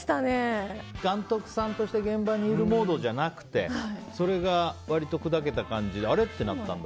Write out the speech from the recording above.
監督さんとして現場にいるモードじゃなくてそれが割とくだけた感じであれ？ってなったんだ。